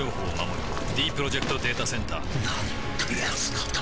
ディープロジェクト・データセンターなんてやつなんだ